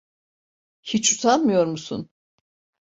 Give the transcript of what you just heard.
Hiç utanmıyor musun?